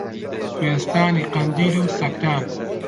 کوێستانی قەندیل و سەکران